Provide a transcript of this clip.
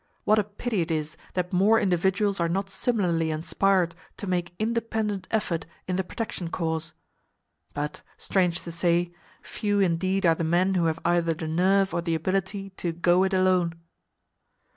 What a pity it is that more individuals are not similarly inspired to make independent effort in the protection cause! But, strange to say, few indeed are the men who have either the nerve or the ability to "go it alone."